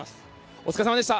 お疲れ様でした。